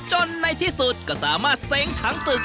ในที่สุดก็สามารถเซ้งถังตึก